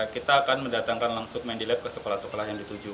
kita akan mendatangkan langsung medilab ke sekolah sekolah yang dituju